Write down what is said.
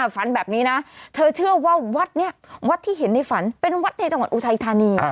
ฝันแบบนี้นะเธอเชื่อว่าวัดนี้วัดที่เห็นในฝันเป็นวัดในจังหวัดอุทัยธานี